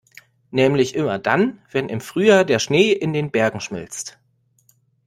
Nämlich immer dann, wenn im Frühjahr der Schnee in den Bergen schmilzt.